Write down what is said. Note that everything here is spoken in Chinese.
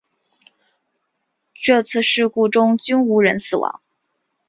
这三次事故中均无人死亡。